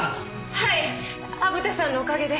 はい虻田さんのおかげで。